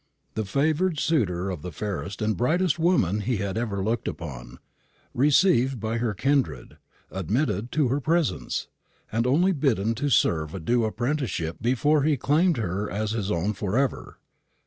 The favoured suitor of the fairest and brightest woman he had ever looked upon, received by her kindred, admitted to her presence, and only bidden to serve a due apprenticeship before he claimed her as his own for ever.